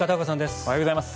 おはようございます。